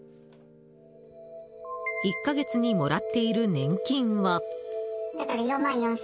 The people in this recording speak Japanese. １か月にもらっている年金は。